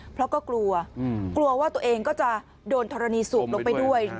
เพราะก็กลัวกลัวว่าตัวเองก็จะโดนธรณีสูบลงไปด้วย